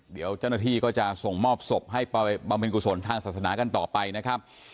เดี๋ยวเจ้าหน้าที่ก็จะส่งมอบศพให้ไปบำเพ็ญกุศลทางศาสนากันต่อไปนะครับ